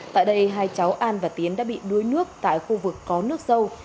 tại đây hai cháu an và tiến đã bị đuối nước tại khu vực có nước dâu